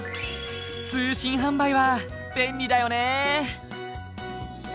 通信販売は便利だよね。